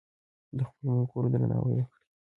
د خپلو ملګرو درناوی وکړئ.